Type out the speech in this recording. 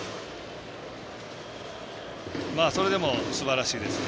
それでもすばらしいですね。